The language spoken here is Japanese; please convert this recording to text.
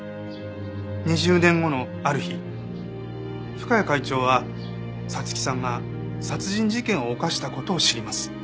２０年後のある日深谷会長は彩月さんが殺人事件を犯した事を知ります。